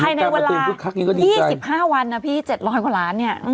ภายในเวลา๒๕วันนะพี่๗๐๐กว่าล้านเนี่ย